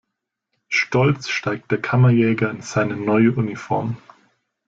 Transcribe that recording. Stolz steigt der Kammerjäger in seine neue Uniform.